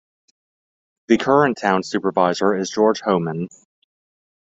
The current Town Supervisor is George Hoehmann.